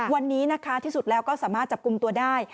วันนี้นะคะที่สุดแล้วก็สามารถจับกลุ่มตัวได้